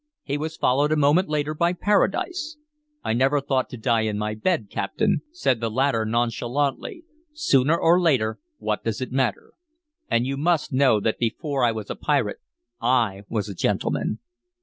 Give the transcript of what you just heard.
He was followed a moment later by Paradise. "I never thought to die in my bed, captain," said the latter nonchalantly. "Sooner or later, what does it matter? And you must know that before I was a pirate I was a gentleman."